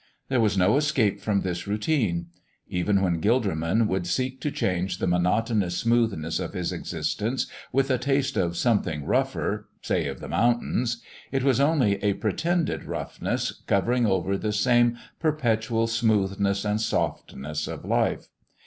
There was no escape from this routine. Even when Gilderman would seek to change the monotonous smoothness of his existence with a taste of something rougher say of the mountains it was only a pretended roughness covering over the same perpetual smoothness and softness of life.